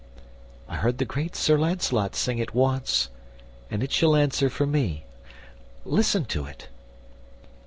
I heard the great Sir Lancelot sing it once, And it shall answer for me. Listen to it.